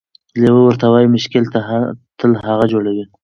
لیوه ورته وايي: مشکل تل هغه جوړوي،